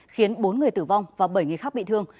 khiến bốn người tử vong và bảy người khác bị thương